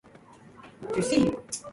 The gun features a crew of seven.